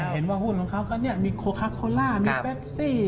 เห็นว่าหุ้นของเขาก็มีโคคาโคล่ามีแปปซี่